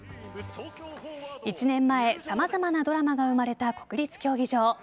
１年前、様々なドラマが生まれた国立競技場。